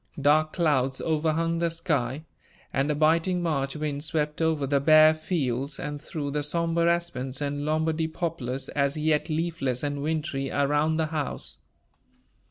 Dark clouds overhung the sky, and a biting March wind swept over the bare fields and through the somber aspens and Lombardy poplars, as yet leafless and wintry, around the house.